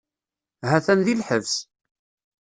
Ha-t-an di lḥebs.